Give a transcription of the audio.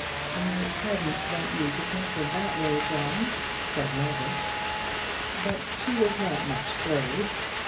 "I hadn't meant you to talk in that way, John," said Margaret. But she was not much flurried.